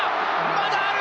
まだある！